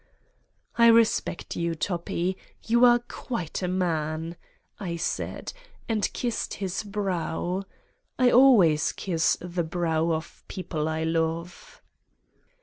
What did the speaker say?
"I respect you, Toppi. You are quite a man," I said and kissed his brow: I always kiss the brow of people I love.